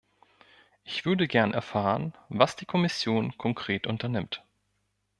Ich würde gern erfahren, was die Kommission konkret unternimmt.